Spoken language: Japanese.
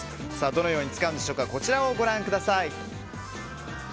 どのように使うのかこちらをご覧ください。